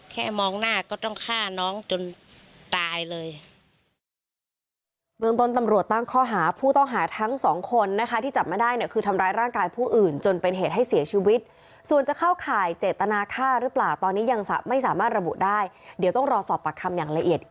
มองหน้าก็ต้องฆ่าน้องจนตายเลย